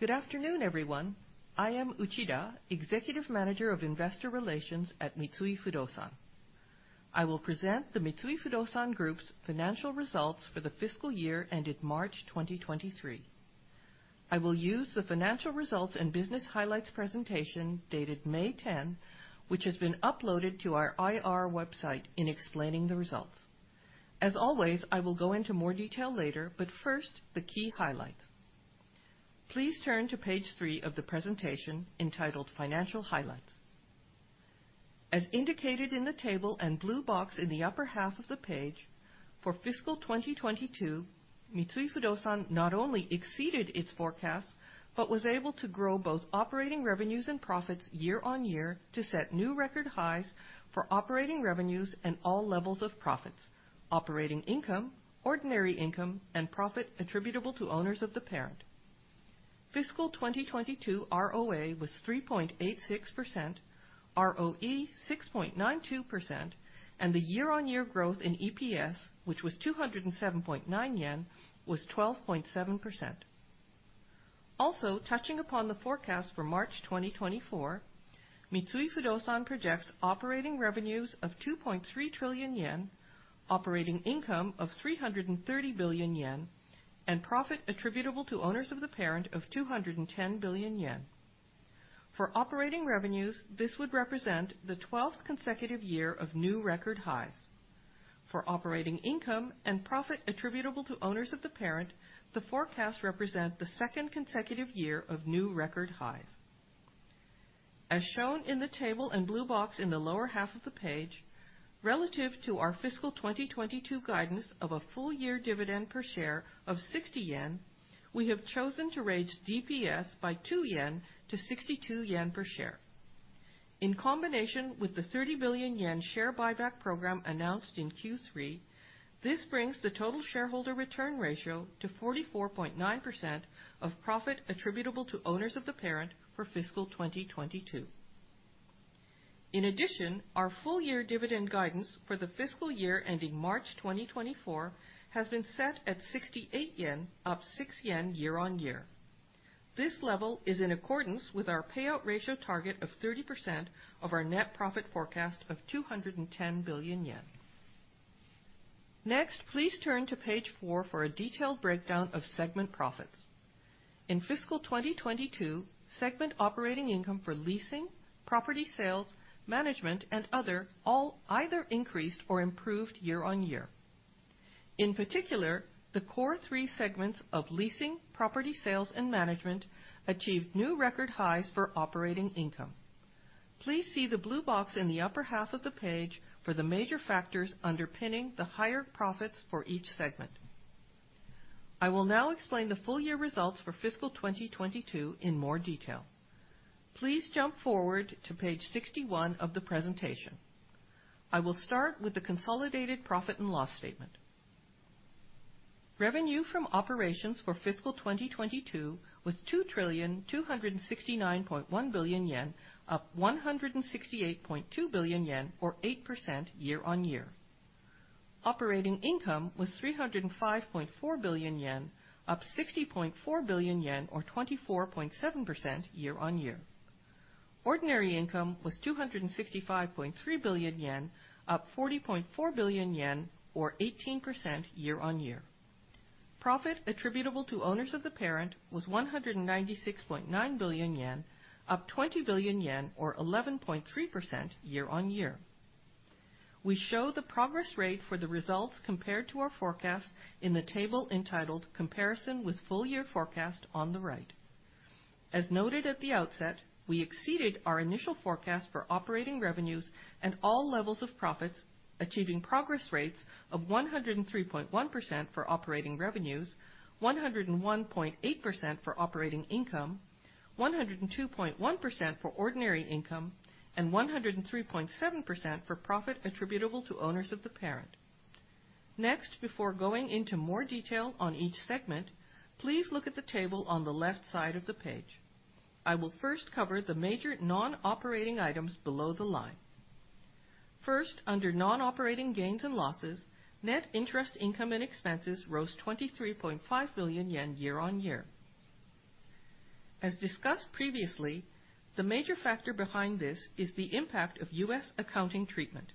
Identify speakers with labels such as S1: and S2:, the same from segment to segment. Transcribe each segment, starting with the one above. S1: Good afternoon, everyone. I am Uchida, Executive Manager of Investor Relations at Mitsui Fudosan. I will present the Mitsui Fudosan group's financial results for the fiscal year ended March 2023. I will use the financial results and business highlights presentation dated May 10, which has been uploaded to our IR website in explaining the results. As always, I will go into more detail later, but first, the key highlights. Please turn to page three of the presentation entitled Financial Highlights. As indicated in the table and blue box in the upper half of the page, for fiscal 2022, Mitsui Fudosan not only exceeded its forecasts, but was able to grow both operating revenues and profits year-on-year to set new record highs for operating revenues and all levels of profits, operating income, ordinary income, and profit attributable to owners of the parent. Fiscal 2022 ROA was 3.86%, ROE 6.92%, and the year-on-year growth in EPS, which was 207.9 yen, was 12.7%. Touching upon the forecast for March 2024, Mitsui Fudosan projects operating revenues of 2.3 trillion yen, operating income of 330 billion yen, and profit attributable to owners of the parent of 210 billion yen. For operating revenues, this would represent the twelfth consecutive year of new record highs. For operating income and profit attributable to owners of the parent, the forecasts represent the second consecutive year of new record highs. As shown in the table and blue box in the lower half of the page, relative to our fiscal 2022 guidance of a full year dividend per share of 60 yen, we have chosen to raise DPS by 2 yen to 62 yen per share. In combination with the 30 billion yen share buyback program announced in Q3, this brings the total shareholder return ratio to 44.9% of profit attributable to owners of the parent for fiscal 2022. Our full year dividend guidance for the fiscal year ending March 2024 has been set at 68 yen, up 6 yen year-on-year. This level is in accordance with our payout ratio target of 30% of our net profit forecast of 210 billion yen. Please turn to page four for a detailed breakdown of segment profits. In fiscal 2022, segment operating income for leasing, property sales, management, and other all either increased or improved year-on-year. In particular, the core three segments of leasing, property sales, and management achieved new record highs for operating income. Please see the blue box in the upper half of the page for the major factors underpinning the higher profits for each segment. I will now explain the full year results for fiscal 2022 in more detail. Please jump forward to page 61 of the presentation. I will start with the consolidated profit and loss statement. Revenue from operations for fiscal 2022 was 2,269.1 billion yen, up 168.2 billion yen or 8% year-on-year. Operating income was 305.4 billion yen, up 60.4 billion yen or 24.7% year-on-year. Ordinary income was 265.3 billion yen, up 40.4 billion yen or 18% year-on-year. Profit attributable to owners of the parent was 196.9 billion yen, up 20 billion yen or 11.3% year-on-year. We show the progress rate for the results compared to our forecast in the table entitled Comparison with Full Year Forecast on the right. As noted at the outset, we exceeded our initial forecast for operating revenues and all levels of profits, achieving progress rates of 103.1% for operating revenues, 101.8% for operating income, 102.1% for ordinary income, and 103.7% for profit attributable to owners of the parent. Next, before going into more detail on each segment, please look at the table on the left side of the page. I will first cover the major non-operating items below the line. First, under non-operating gains and losses, net interest income and expenses rose 23.5 billion yen year-on-year. As discussed previously, the major factor behind this is the impact of U.S. accounting treatment.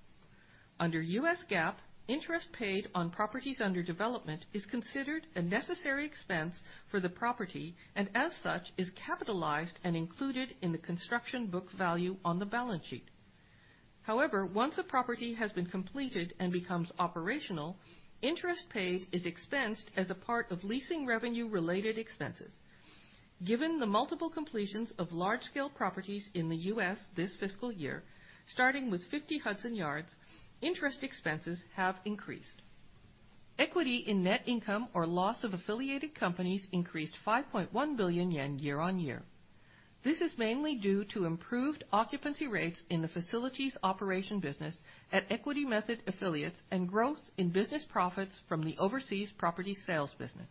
S1: Under U.S. GAAP, interest paid on properties under development is considered a necessary expense for the property, and as such, is capitalized and included in the construction book value on the balance sheet. However, once a property has been completed and becomes operational, interest paid is expensed as a part of leasing revenue-related expenses. Given the multiple completions of large-scale properties in the U.S. this fiscal year, starting with 50 Hudson Yards, interest expenses have increased. Equity in net income or loss of affiliated companies increased 5.1 billion yen year-on-year. This is mainly due to improved occupancy rates in the facilities operation business at equity method affiliates and growth in business profits from the overseas property sales business.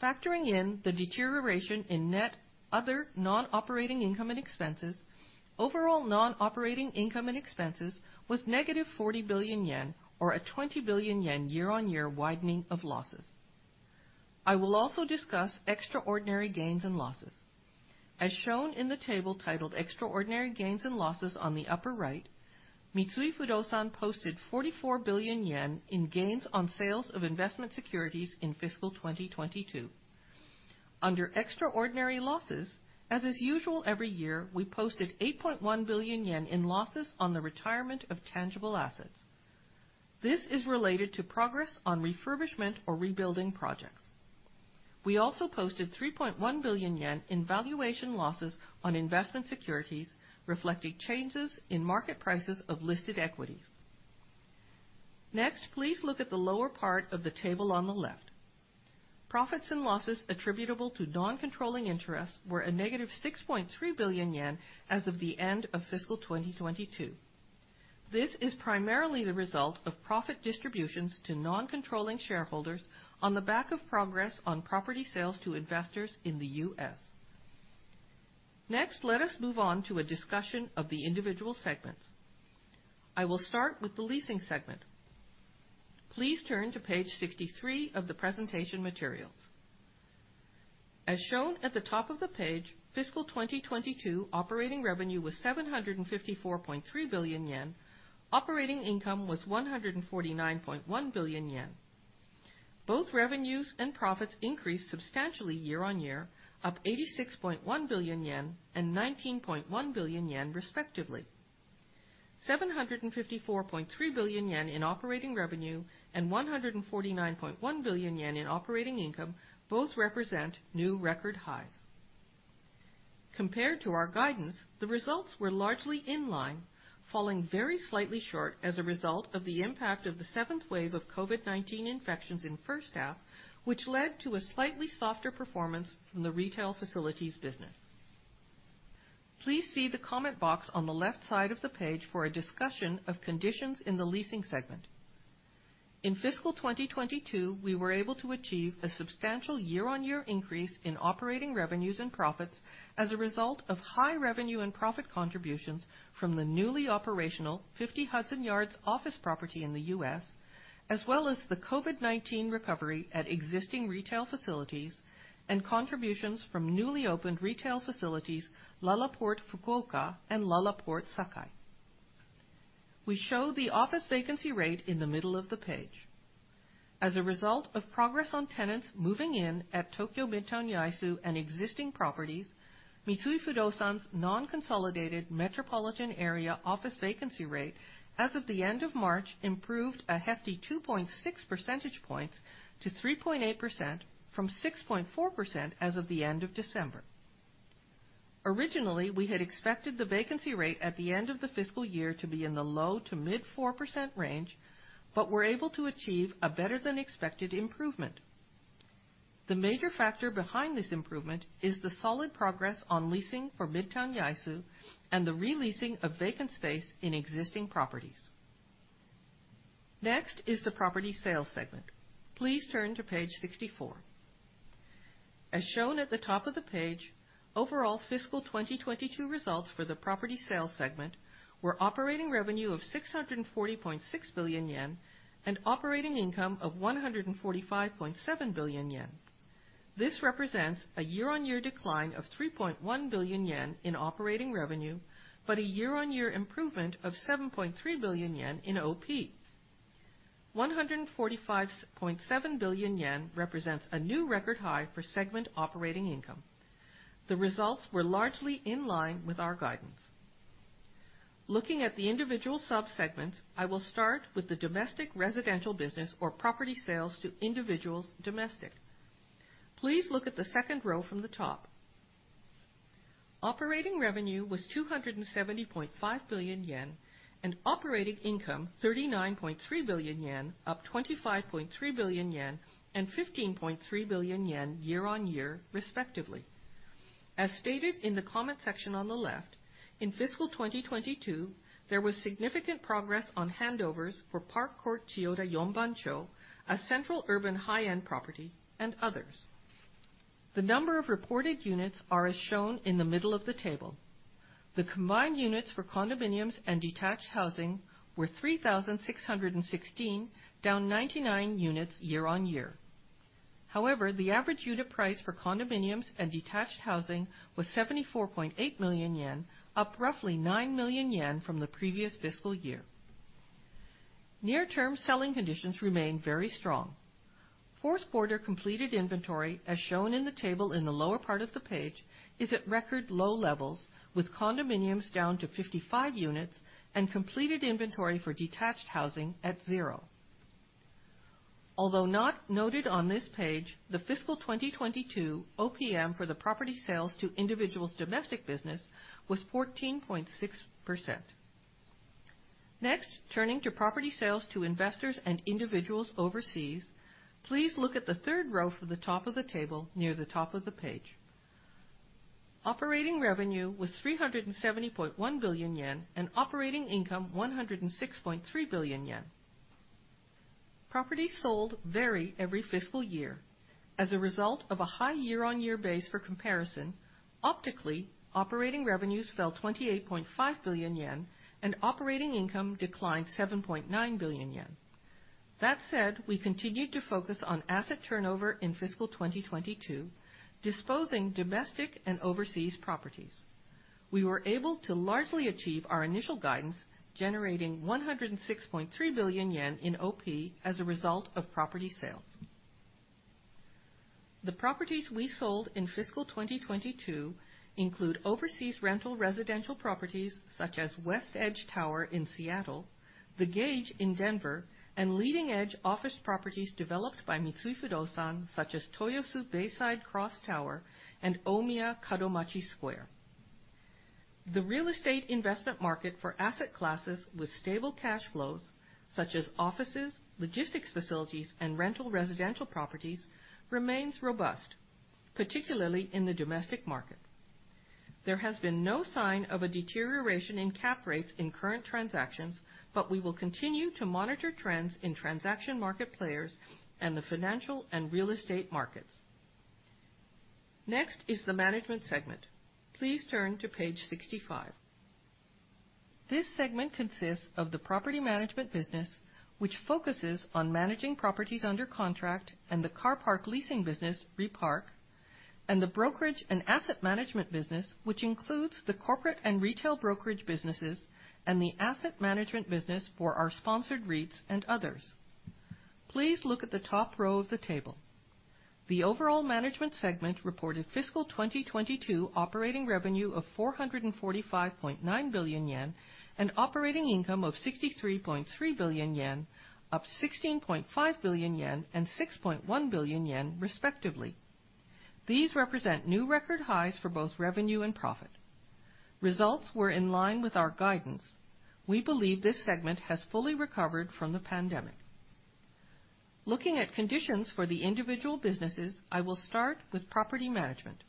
S1: Factoring in the deterioration in net other non-operating income and expenses, overall non-operating income and expenses was negative 40 billion yen or a 20 billion yen year-on-year widening of losses. I will also discuss extraordinary gains and losses. As shown in the table titled Extraordinary Gains and Losses on the upper right, Mitsui Fudosan posted 44 billion yen in gains on sales of investment securities in fiscal 2022. Under extraordinary losses, as is usual every year, we posted 8.1 billion yen in losses on the retirement of tangible assets. This is related to progress on refurbishment or rebuilding projects. We also posted 3.1 billion yen in valuation losses on investment securities, reflecting changes in market prices of listed equities. Please look at the lower part of the table on the left. Profits and losses attributable to non-controlling interests were a negative 6.3 billion yen as of the end of fiscal 2022. This is primarily the result of profit distributions to non-controlling shareholders on the back of progress on property sales to investors in the U.S. Let us move on to a discussion of the individual segments. I will start with the leasing segment. Please turn to page 63 of the presentation materials. As shown at the top of the page, fiscal 2022 operating revenue was 754.3 billion yen. Operating income was 149.1 billion yen. Both revenues and profits increased substantially year-over-year, up 86.1 billion yen and 19.1 billion yen respectively. 754.3 billion yen in operating revenue and 149.1 billion yen in operating income both represent new record highs. Compared to our guidance, the results were largely in line, falling very slightly short as a result of the impact of the seventh wave of COVID-19 infections in first half, which led to a slightly softer performance from the retail facilities business. Please see the comment box on the left side of the page for a discussion of conditions in the leasing segment. In fiscal 2022, we were able to achieve a substantial year-on-year increase in operating revenues and profits as a result of high revenue and profit contributions from the newly operational 50 Hudson Yards office property in the U.S., as well as the COVID-19 recovery at existing retail facilities and contributions from newly opened retail facilities, LaLaport FUKUOKA and LaLaport Sakai. We show the office vacancy rate in the middle of the page. As a result of progress on tenants moving in at Tokyo Midtown Yaesu and existing properties, Mitsui Fudosan's non-consolidated metropolitan area office vacancy rate as of the end of March improved a hefty 2.6 percentage points to 3.8% from 6.4% as of the end of December. Originally, we had expected the vacancy rate at the end of the fiscal year to be in the low to mid 4% range, but were able to achieve a better than expected improvement. The major factor behind this improvement is the solid progress on leasing for Midtown Yaesu and the re-leasing of vacant space in existing properties. Next is the property sales segment. Please turn to page 64. As shown at the top of the page, overall fiscal 2022 results for the property sales segment were operating revenue of 640.6 billion yen and operating income of 145.7 billion yen. This represents a year-on-year decline of 3.1 billion yen in operating revenue, but a year-on-year improvement of 7.3 billion yen in OP. 145.7 billion yen represents a new record high for segment operating income. The results were largely in line with our guidance. Looking at the individual sub-segments, I will start with the domestic residential business or property sales to individuals domestic. Please look at the second row from the top. Operating revenue was 270.5 billion yen, and operating income 39.3 billion yen, up 25.3 billion yen and 15.3 billion yen year-on-year, respectively. As stated in the comment section on the left, in fiscal 2022, there was significant progress on handovers for Park Court Chiyoda Yonbancho, a central urban high-end property, and others. The number of reported units are as shown in the middle of the table. The combined units for condominiums and detached housing were 3,616, down 99 units year-on-year. The average unit price for condominiums and detached housing was 74.8 million yen, up roughly 9 million yen from the previous fiscal year. Near-term selling conditions remain very strong. Fourth quarter completed inventory, as shown in the table in the lower part of the page, is at record low levels, with condominiums down to 55 units and completed inventory for detached housing at zero. Not noted on this page, the fiscal 2022 OPM for the property sales to individuals domestic business was 14.6%. Turning to property sales to investors and individuals overseas, please look at the third row from the top of the table near the top of the page. Operating revenue was 370.1 billion yen and operating income 106.3 billion yen. Properties sold vary every fiscal year. As a result of a high year-on-year base for comparison, optically, operating revenues fell 28.5 billion yen and operating income declined 7.9 billion yen. That said, we continued to focus on asset turnover in fiscal 2022, disposing domestic and overseas properties. We were able to largely achieve our initial guidance, generating 106.3 billion yen in OP as a result of property sales. The properties we sold in fiscal 2022 include overseas rental residential properties such as West Edge Tower in Seattle, The Gage in Denver, and leading-edge office properties developed by Mitsui Fudosan, such as Toyosu Bayside Cross Tower and Omiya Kadomachi Square. The real estate investment market for asset classes with stable cash flows, such as offices, logistics facilities, and rental residential properties, remains robust, particularly in the domestic market. There has been no sign of a deterioration in cap rates in current transactions. We will continue to monitor trends in transaction market players and the financial and real estate markets. Next is the management segment. Please turn to page 65. This segment consists of the property management business, which focuses on managing properties under contract, and the car park leasing business, Repark, and the brokerage and asset management business, which includes the corporate and retail brokerage businesses and the asset management business for our sponsored REITs and others. Please look at the top row of the table. The overall management segment reported fiscal 2022 operating revenue of 445.9 billion yen, and operating income of 63.3 billion yen, up 16.5 billion yen and 6.1 billion yen, respectively. These represent new record highs for both revenue and profit. Results were in line with our guidance. We believe this segment has fully recovered from the pandemic. Looking at conditions for the individual businesses, I will start with property management.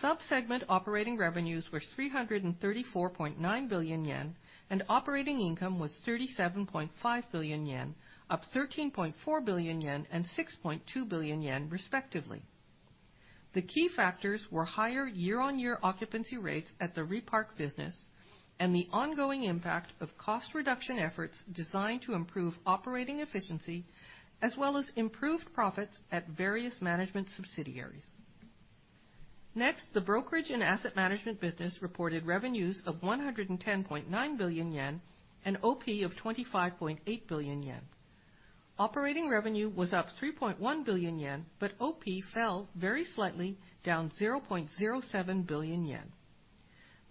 S1: Sub-segment operating revenues were 334.9 billion yen, and operating income was 37.5 billion yen, up 13.4 billion yen and 6.2 billion yen, respectively. The key factors were higher year-on-year occupancy rates at the Repark business and the ongoing impact of cost reduction efforts designed to improve operating efficiency, as well as improved profits at various management subsidiaries. The brokerage and asset management business reported revenues of 110.9 billion yen and OP of 25.8 billion yen. Operating revenue was up 3.1 billion yen, OP fell very slightly, down 0.07 billion yen.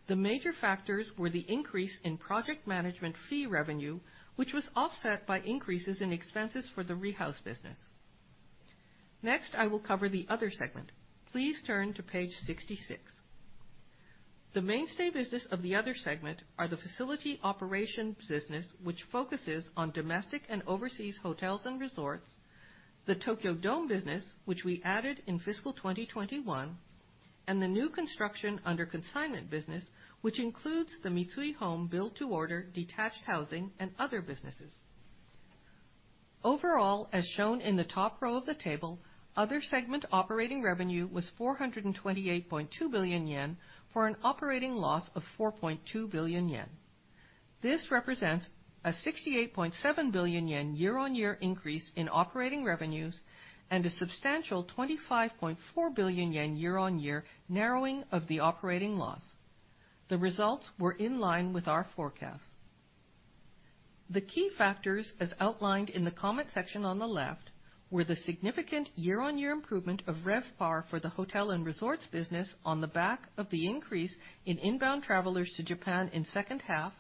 S1: The major factors were the increase in project management fee revenue, which was offset by increases in expenses for the Rehouse business. I will cover the other segment. Please turn to page 66. The mainstay business of the other segment are the facility operations business, which focuses on domestic and overseas hotels and resorts, the Tokyo Dome business, which we added in fiscal 2021, and the new construction under consignment business, which includes the Mitsui Home build to order detached housing and other businesses. Overall, as shown in the top row of the table, other segment operating revenue was 428.2 billion yen, for an operating loss of 4.2 billion yen. This represents a 68.7 billion yen year-on-year increase in operating revenues and a substantial 25.4 billion yen year-on-year narrowing of the operating loss. The results were in line with our forecast. The key factors, as outlined in the comment section on the left, were the significant year-on-year improvement of RevPAR for the hotel and resorts business on the back of the increase in inbound travelers to Japan in 2nd half,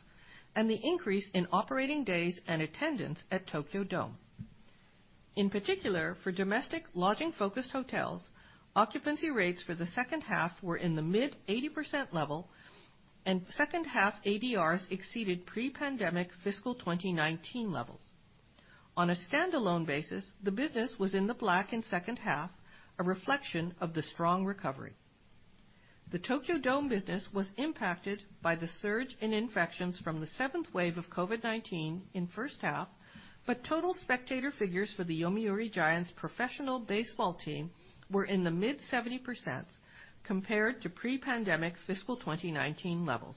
S1: and the increase in operating days and attendance at Tokyo Dome. In particular, for domestic lodging-focused hotels, occupancy rates for the 2nd half were in the mid-80% level, and 2nd half ADRs exceeded pre-pandemic fiscal 2019 levels. On a standalone basis, the business was in the black in second half, a reflection of the strong recovery. The Tokyo Dome business was impacted by the surge in infections from the seventh wave of COVID-19 in first half, but total spectator figures for the Yomiuri Giants professional baseball team were in the mid 70% compared to pre-pandemic fiscal 2019 levels,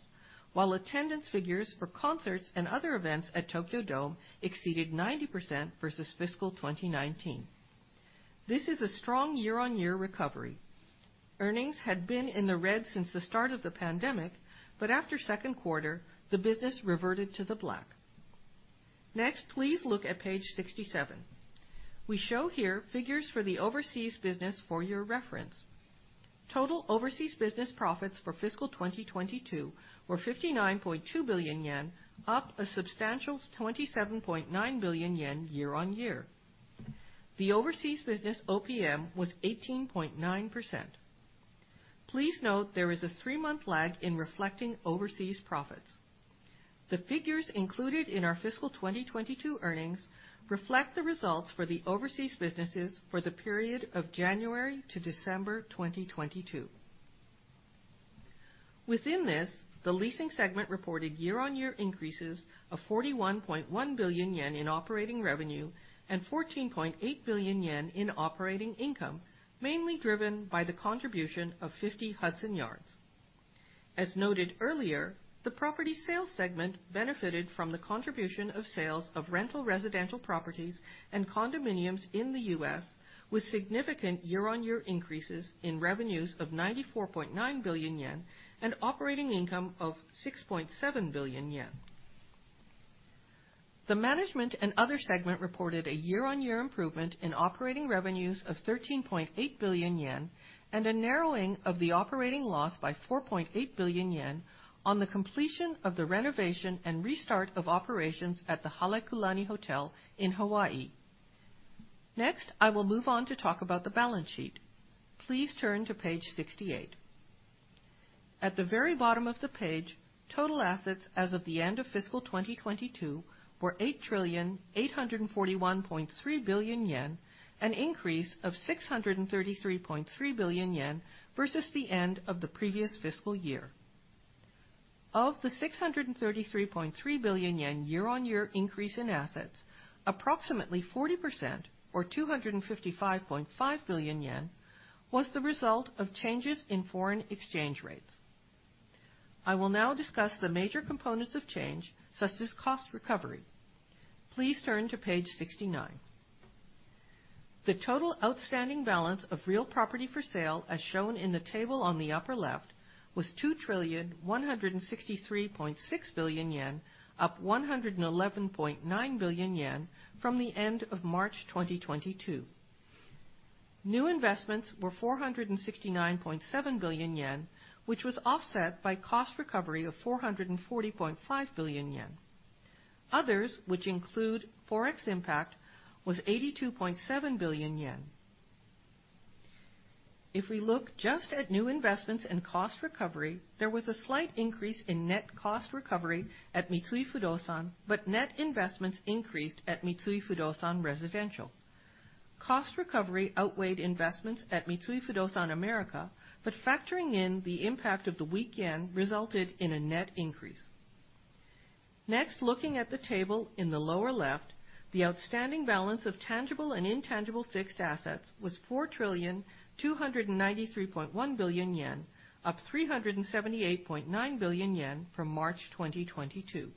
S1: while attendance figures for concerts and other events at Tokyo Dome exceeded 90% versus fiscal 2019. This is a strong year-on-year recovery. Earnings had been in the red since the start of the pandemic, but after second quarter, the business reverted to the black. Please look at page 67. We show here figures for the overseas business for your reference. Total overseas business profits for fiscal 2022 were 59.2 billion yen, up a substantial 27.9 billion yen year-on-year. The overseas business OPM was 18.9%. Please note there is a three-month lag in reflecting overseas profits. The figures included in our fiscal 2022 earnings reflect the results for the overseas businesses for the period of January to December 2022. Within this, the leasing segment reported year-on-year increases of 41.1 billion yen in operating revenue and 14.8 billion yen in operating income, mainly driven by the contribution of 50 Hudson Yards. As noted earlier, the property sales segment benefited from the contribution of sales of rental residential properties and condominiums in the U.S., with significant year-on-year increases in revenues of 94.9 billion yen and operating income of 6.7 billion yen. The management and other segment reported a year-on-year improvement in operating revenues of 13.8 billion yen, and a narrowing of the operating loss by 4.8 billion yen on the completion of the renovation and restart of operations at the Halekulani Hotel in Hawaii. I will move on to talk about the balance sheet. Please turn to page 68. At the very bottom of the page, total assets as of the end of fiscal 2022 were 8,841.3 billion yen, an increase of 633.3 billion yen versus the end of the previous fiscal year. Of the 633.3 billion yen year-on-year increase in assets, approximately 40% or 255.5 billion yen was the result of changes in foreign exchange rates. I will now discuss the major components of change, such as cost recovery. Please turn to page 69. The total outstanding balance of real property for sale, as shown in the table on the upper left, was 2,163.6 billion yen, up 111.9 billion yen from the end of March 2022. New investments were 469.7 billion yen, which was offset by cost recovery of 440.5 billion yen. Others, which include Forex impact, was 82.7 billion yen. If we look just at new investments and cost recovery, there was a slight increase in net cost recovery at Mitsui Fudosan, but net investments increased at Mitsui Fudosan Residential. Cost recovery outweighed investments at Mitsui Fudosan America, factoring in the impact of the weak yen resulted in a net increase. Looking at the table in the lower left, the outstanding balance of tangible and intangible fixed assets was 4,293.1 billion yen, up 378.9 billion yen from March 2022.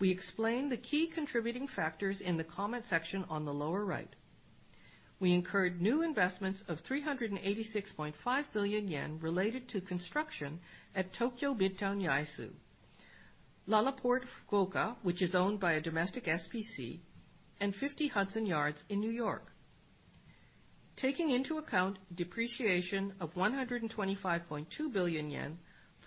S1: We explain the key contributing factors in the comment section on the lower right. We incurred new investments of 386.5 billion yen related to construction at Tokyo Midtown Yaesu, LaLaport FUKUOKA, which is owned by a domestic SPC, and 50 Hudson Yards in New York. Taking into account depreciation of 125.2 billion yen,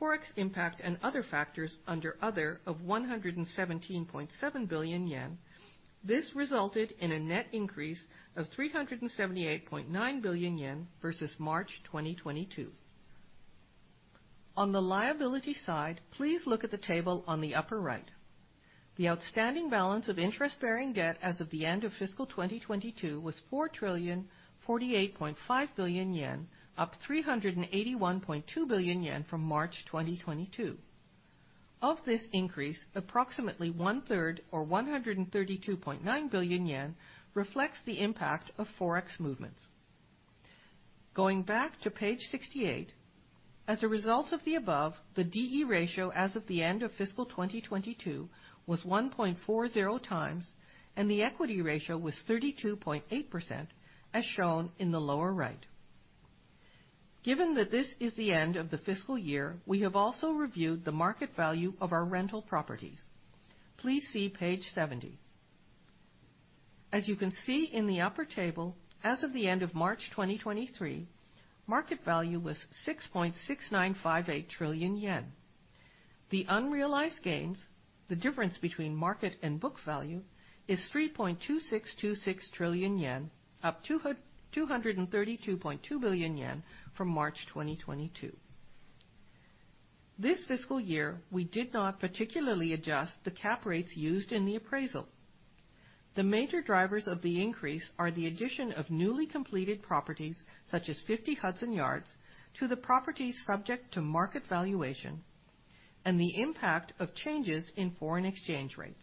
S1: Forex impact, and other factors under other of 117.7 billion yen, this resulted in a net increase of 378.9 billion yen versus March 2022. On the liability side, please look at the table on the upper right. The outstanding balance of interest-bearing debt as of the end of fiscal 2022 was 4,048.5 billion yen, up 381.2 billion yen from March 2022. Of this increase, approximately one-third or 132.9 billion yen reflects the impact of Forex movements. Going back to page 68, as a result of the above, the D/E ratio as of the end of fiscal 2022 was 1.40 times, and the equity ratio was 32.8%, as shown in the lower right. Given that this is the end of the fiscal year, we have also reviewed the market value of our rental properties. Please see page 70. As you can see in the upper table, as of the end of March 2023, market value was 6.6958 trillion yen. The unrealized gains, the difference between market and book value, is 3.2626 trillion yen, up 232.2 billion yen from March 2022. This fiscal year, we did not particularly adjust the cap rates used in the appraisal. The major drivers of the increase are the addition of newly completed properties, such as 50 Hudson Yards, to the properties subject to market valuation and the impact of changes in foreign exchange rates.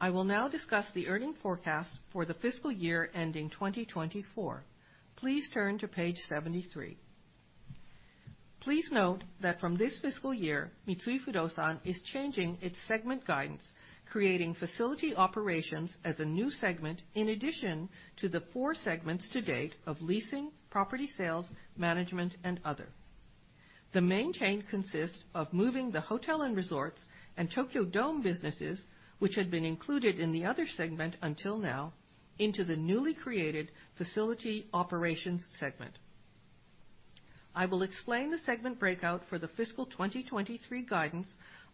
S1: I will now discuss the earning forecast for the fiscal year ending 2024. Please turn to page 73. Please note that from this fiscal year, Mitsui Fudosan is changing its segment guidance, creating facility operations as a new segment in addition to the four segments to date of leasing, property sales, management, and other. The main change consists of moving the hotel and resorts and Tokyo Dome businesses, which had been included in the other segment until now, into the newly created facility operations segment. I will explain the segment breakout for the fiscal 2023 guidance,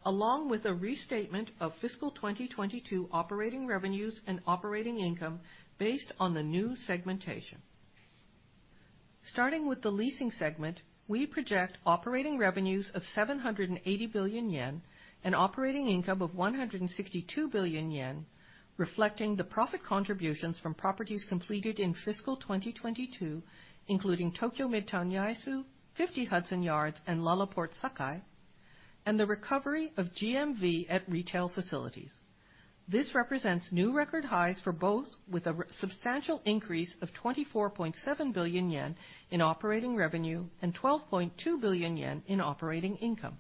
S1: along with a restatement of fiscal 2022 operating revenues and operating income based on the new segmentation. Starting with the leasing segment, we project operating revenues of 780 billion yen, an operating income of 162 billion yen, reflecting the profit contributions from properties completed in fiscal 2022, including Tokyo Midtown Yaesu, 50 Hudson Yards, and LaLaport Sakai, and the recovery of GMV at retail facilities. This represents new record highs for both, with a substantial increase of 24.7 billion yen in operating revenue and 12.2 billion yen in operating income.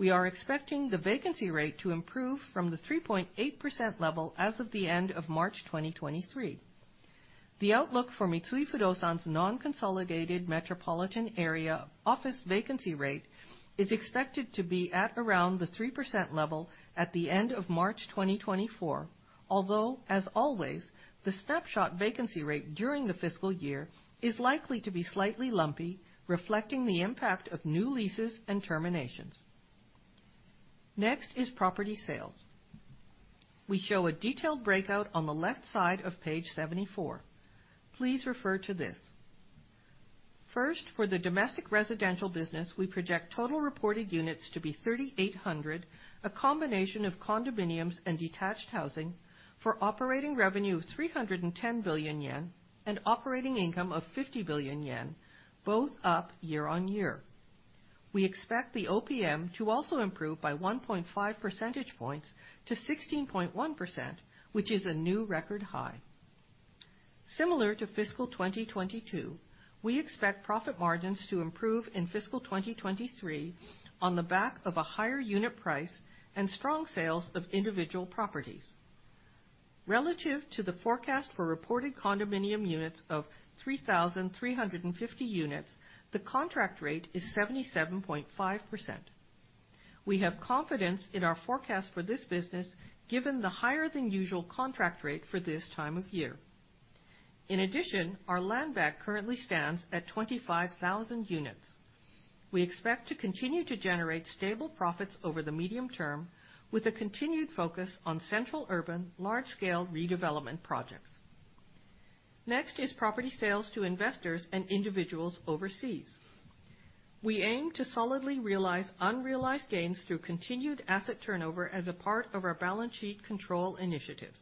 S1: We are expecting the vacancy rate to improve from the 3.8% level as of the end of March 2023. The outlook for Mitsui Fudosan's non-consolidated metropolitan area office vacancy rate is expected to be at around the 3% level at the end of March 2024. As always, the snapshot vacancy rate during the fiscal year is likely to be slightly lumpy, reflecting the impact of new leases and terminations. Property sales. We show a detailed breakout on the left side of page 74. Please refer to this. For the domestic residential business, we project total reported units to be 3,800, a combination of condominiums and detached housing for operating revenue of 310 billion yen and operating income of 50 billion yen, both up year-over-year. We expect the OPM to also improve by 1.5 percentage points to 16.1%, which is a new record high. Similar to fiscal 2022, we expect profit margins to improve in fiscal 2023 on the back of a higher unit price and strong sales of individual properties. Relative to the forecast for reported condominium units of 3,350 units, the contract rate is 77.5%. We have confidence in our forecast for this business, given the higher than usual contract rate for this time of year. Our land bank currently stands at 25,000 units. We expect to continue to generate stable profits over the medium term with a continued focus on central urban, large scale redevelopment projects. Property sales to investors and individuals overseas. We aim to solidly realize unrealized gains through continued asset turnover as a part of our balance sheet control initiatives.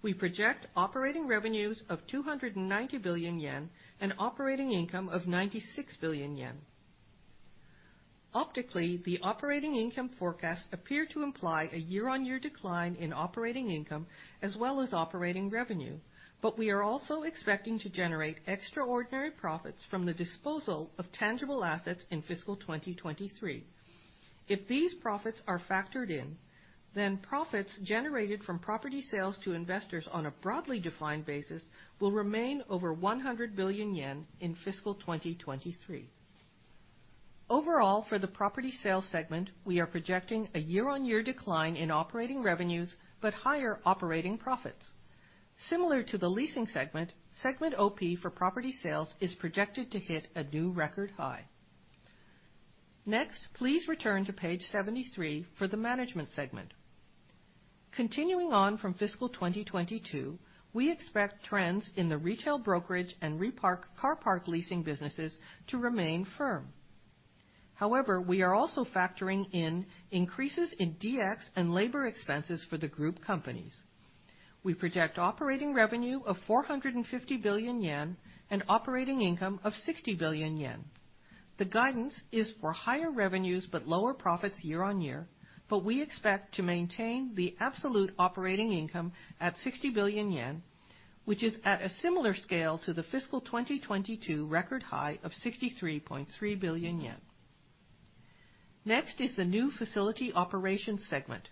S1: We project operating revenues of 290 billion yen and operating income of 96 billion yen. Optically, the operating income forecasts appear to imply a year-on-year decline in operating income as well as operating revenue. We are also expecting to generate extraordinary profits from the disposal of tangible assets in fiscal 2023. If these profits are factored in, then profits generated from property sales to investors on a broadly defined basis will remain over 100 billion yen in fiscal 2023. Overall, for the property sales segment, we are projecting a year-on-year decline in operating revenues, but higher operating profits. Similar to the leasing segment OP for property sales is projected to hit a new record high. Next, please return to page 73 for the management segment. Continuing on from fiscal 2022, we expect trends in the retail brokerage and Repark car park leasing businesses to remain firm. However, we are also factoring in increases in DX and labor expenses for the group companies. We project operating revenue of 450 billion yen and operating income of 60 billion yen. The guidance is for higher revenues but lower profits year-on-year. We expect to maintain the absolute operating income at 60 billion yen, which is at a similar scale to the fiscal 2022 record high of 63.3 billion yen. Next is the new facility operations segment.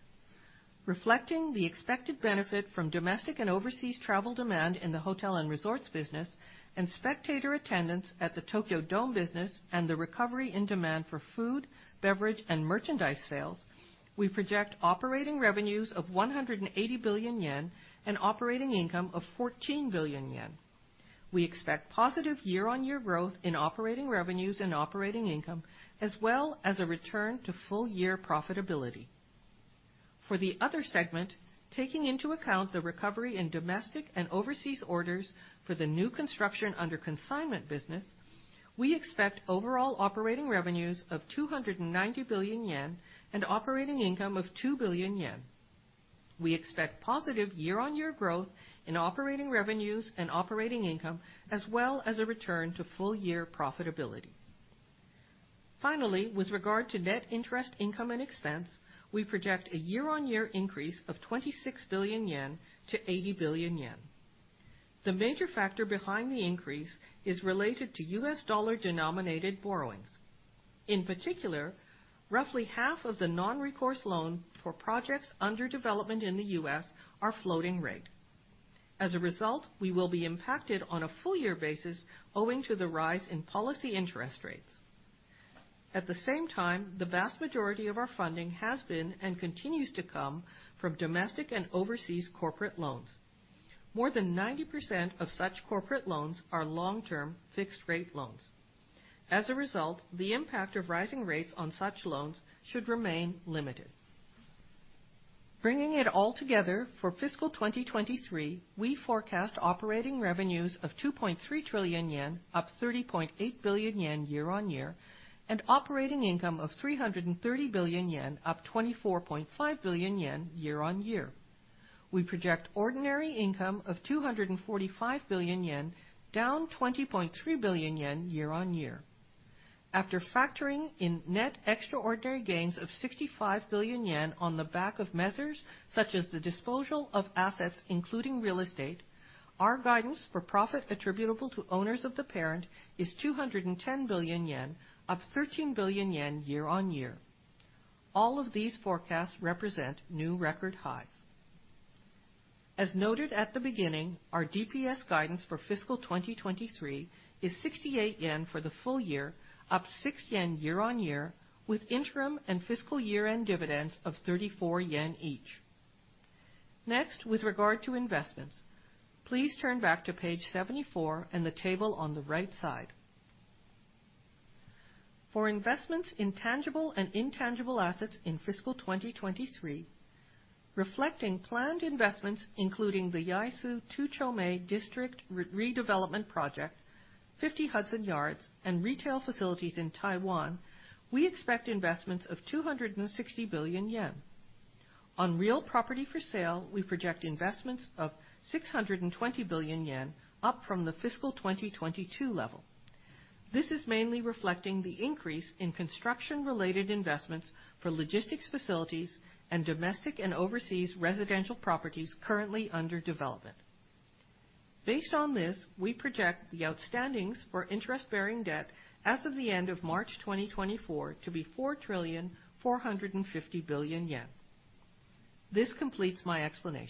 S1: Reflecting the expected benefit from domestic and overseas travel demand in the hotel and resorts business, and spectator attendance at the Tokyo Dome business, and the recovery in demand for food, beverage, and merchandise sales. We project operating revenues of 180 billion yen and operating income of 14 billion yen. We expect positive year-on-year growth in operating revenues and operating income, as well as a return to full year profitability. For the other segment, taking into account the recovery in domestic and overseas orders for the new construction under consignment business, we expect overall operating revenues of 290 billion yen and operating income of 2 billion yen. We expect positive year-on-year growth in operating revenues and operating income, as well as a return to full year profitability. Finally, with regard to net interest, income and expense, we project a year-on-year increase of 26 billion yen to 80 billion yen. The major factor behind the increase is related to U.S. dollar-denominated borrowings. In particular, roughly half of the non-recourse loan for projects under development in the U.S. are floating rate. As a result, we will be impacted on a full year basis owing to the rise in policy interest rates. At the same time, the vast majority of our funding has been and continues to come from domestic and overseas corporate loans. More than 90% of such corporate loans are long-term fixed rate loans. As a result, the impact of rising rates on such loans should remain limited. Bringing it all together, for fiscal 2023, we forecast operating revenues of 2.3 trillion yen, up 30.8 billion yen year-on-year, and operating income of 330 billion yen, up 24.5 billion yen year-on-year. We project ordinary income of 245 billion yen, down 20.3 billion yen year-on-year. After factoring in net extraordinary gains of 65 billion yen on the back of measures such as the disposal of assets, including real estate, our guidance for profit attributable to owners of the parent is 210 billion yen, up 13 billion yen year-on-year. All of these forecasts represent new record highs. As noted at the beginning, our DPS guidance for fiscal 2023 is 68 yen for the full year, up 6 yen year-on-year, with interim and fiscal year-end dividends of 34 yen each. With regard to investments, please turn back to page 74 and the table on the right side. For investments in tangible and intangible assets in fiscal 2023, reflecting planned investments including the Yaesu 2-Chome district re-redevelopment project, 50 Hudson Yards, and retail facilities in Taiwan, we expect investments of 260 billion yen. On real property for sale, we project investments of 620 billion yen, up from the fiscal 2022 level. This is mainly reflecting the increase in construction-related investments for logistics facilities and domestic and overseas residential properties currently under development. Based on this, we project the outstandings for interest-bearing debt as of the end of March 2024 to be 4,450 billion yen. This completes my explanation.